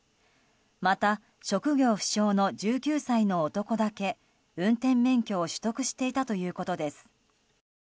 また、職業不詳の１９歳の男だけ運転免許を取得していたということです。